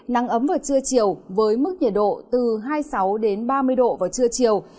nắng ấm vào trưa chiều với mức nhiệt độ từ hai mươi sáu đến ba mươi độ vào trưa chiều